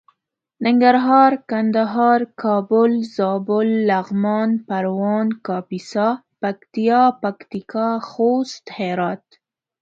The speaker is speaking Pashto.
ننګرهار کندهار کابل زابل لغمان پروان کاپيسا پکتيا پکتيکا خوست هرات